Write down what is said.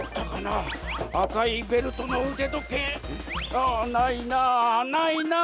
ああないなあないなあ。